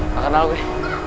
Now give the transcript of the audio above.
gak kenal gue